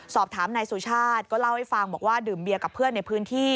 สอบถามนายสุชาติก็เล่าให้ฟังบอกว่าดื่มเบียกับเพื่อนในพื้นที่